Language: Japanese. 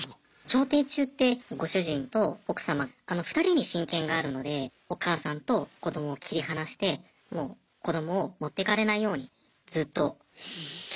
調停中ってご主人と奥様２人に親権があるのでお母さんと子どもを切り離してもう子どもを持ってかれないようにずっと警護してくれと。